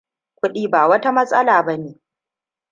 Kuɗi ba wata matsala bane.